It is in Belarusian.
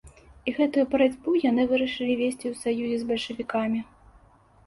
І гэтую барацьбу яны вырашылі весці ў саюзе з бальшавікамі.